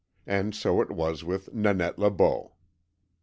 And so it was with Nanette Le Beau.